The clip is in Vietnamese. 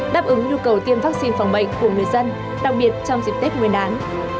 đáp ứng nhu cầu tiêm vaccine phòng bệnh của người dân đặc biệt trong dịp tết nguyên đán